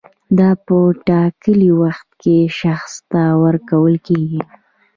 دا په ټاکلي وخت کې شخص ته ورکول کیږي.